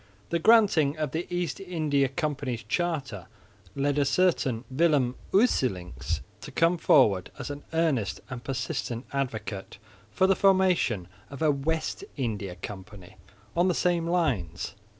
The granting of the East India Company's charter led a certain Willem Usselincx to come forward as an earnest and persistent advocate for the formation of a West India Company on the same lines.